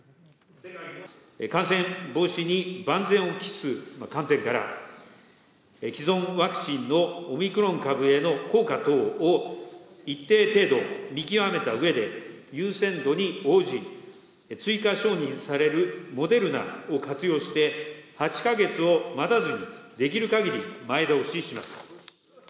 感染防止に万全を期す観点から、既存ワクチンのオミクロン株への効果等を一定程度見極めたうえで、優先度に応じ、追加承認されるモデルナを活用して、８か月を待たずにできるかぎり前倒しします。